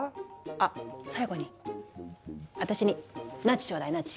あ最後に私にナッジちょうだいナッジ。